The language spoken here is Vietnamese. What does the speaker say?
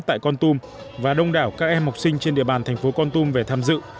tại con tum và đông đảo các em học sinh trên địa bàn thành phố con tum về tham dự